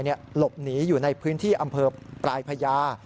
หลบหนีอยู่ในพื้นที่อำเภอปลายพญา